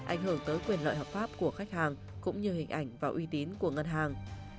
ảnh hưởng tới quyền lợi hợp pháp của khách hàng cũng như hình ảnh và uy tín của ngân hàng